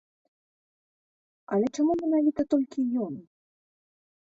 Але чаму менавіта толькі ён?